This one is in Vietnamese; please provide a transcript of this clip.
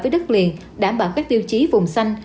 với đất liền đảm bảo các tiêu chí vùng xanh